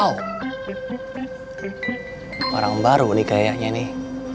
orang baru nih kayaknya nih